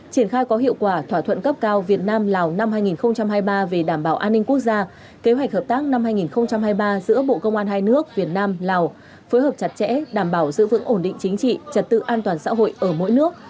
triển khai có hiệu quả thỏa thuận cấp cao việt nam lào năm hai nghìn hai mươi ba về đảm bảo an ninh quốc gia kế hoạch hợp tác năm hai nghìn hai mươi ba giữa bộ công an hai nước việt nam lào phối hợp chặt chẽ đảm bảo giữ vững ổn định chính trị trật tự an toàn xã hội ở mỗi nước